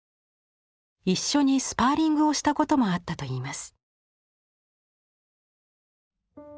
一緒にスパーリングをしたこともあったといいます。